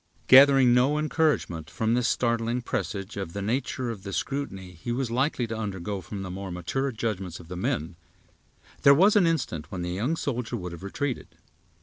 Gathering no encouragement from this startling presage of the nature of the scrutiny he was likely to undergo from the more mature judgments of the men, there was an instant when the young soldier would have retreated.